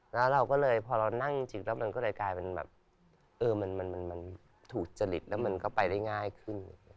แล้วเราก็เลยพอเรานั่งจริงก็เลยกลายถูกจริตและไปได้ง่ายขึ้น